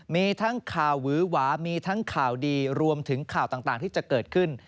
มีทั้งข่าวหวือหวามีทั้งข่าวดีรวมถึงข่าวต่างที่จะเกิดขึ้น